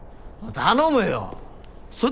頼むよォ！